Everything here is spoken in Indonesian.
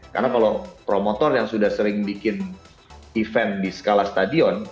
karena kalau promotor yang sudah sering bikin event di skala stadion